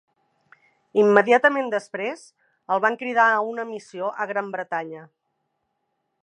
Immediatament després, el van cridar a una missió a Gran Bretanya.